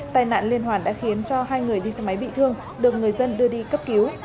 tài nạn liên hoàn đã khiến cho hai người đi xe máy bị thương được người dân đưa đi cấp cứu